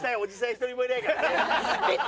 一人もいないからね。